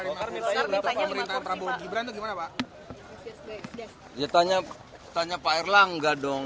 dia tanya pak erlang enggak dong